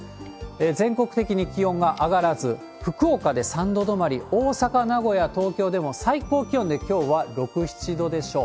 全国的に気温が上がらず、福岡で３度止まり、大阪、名古屋、東京でも最高気温できょうは６、７度でしょう。